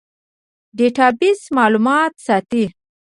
ډیټابیس معلومات ساتي